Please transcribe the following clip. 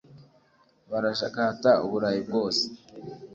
barajagata uburayi bwose